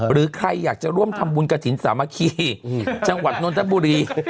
หรือใครอยากจะร่วมทำบุญกระถิ่นสามัคคีจังหวัดนนทบุรี